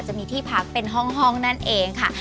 จะมีที่พักเป็นห้องนั่นเองค่ะ